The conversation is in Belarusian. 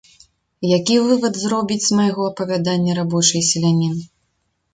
Які вывад зробіць з майго апавядання рабочы і селянін?